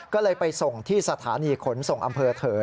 ก็เลยไปส่งที่สถานีขนส่งอำเภอเถอ